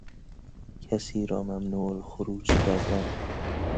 کسی را ممنوع الخروج کردن